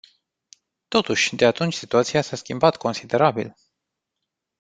Totuși, de atunci situația s-a schimbat considerabil.